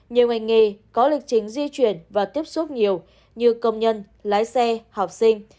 nhiều ngành nghề có lịch trình di chuyển và tiếp xúc nhiều như công nhân lái xe học sinh